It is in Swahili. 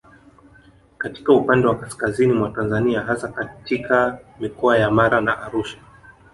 Katika upande wa kaskazini mwa Tanzania hasa katika Mikoa ya Mara na Arusha